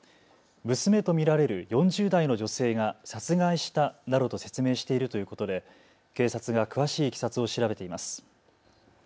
娘と見られる４０代の女性が殺害したなどと説明しているということで警察が詳しいいきさつを調べています。